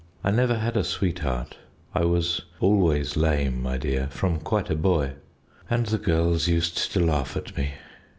I never had a sweetheart. I was always lame, my dear, from quite a boy; and the girls used to laugh at me."